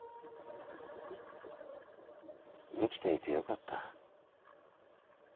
生きていてよかった。